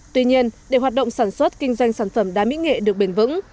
tuy nhiên để hoạt động sản xuất kinh doanh sản phẩm đá mỹ nghệ được bền vững